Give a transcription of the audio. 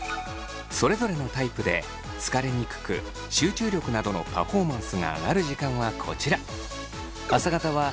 それぞれのタイプで疲れにくく集中力などのパフォーマンスが上がる時間はこちら。